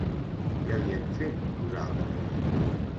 Què li hem fet, nosaltres?